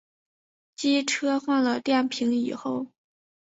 机车换了电瓶以后